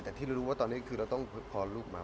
แต่ที่เรารู้ว่าตอนนี้คือเราต้องคลอดลูกมา